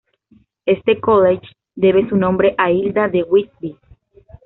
Este college debe su nombre a Hilda de Whitby.